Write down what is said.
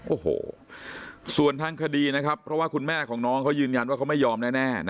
โอ้โหส่วนทางคดีนะครับเพราะว่าคุณแม่ของน้องเขายืนยันว่าเขาไม่ยอมแน่